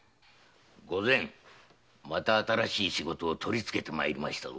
御前また新しい仕事を取りつけて参りましたぞ。